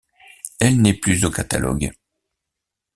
Elle n'est plus au catalogue.